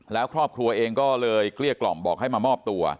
แล้วครอบครัวเองก็เลยเกลี้ยกล่อมบอกให้มามอบตัว